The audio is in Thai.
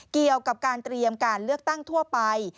เกี่ยวกับการเตรียมการเลือกตั้งทั่วไป